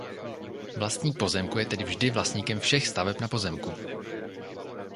Vlastník pozemku je tedy vždy vlastníkem všech staveb na pozemku.